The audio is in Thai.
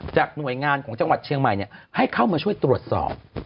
หน่วยงานของจังหวัดเชียงใหม่ให้เข้ามาช่วยตรวจสอบ